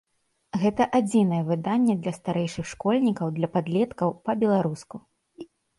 Гэта адзінае выданне для старэйшых школьнікаў, для падлеткаў па-беларуску.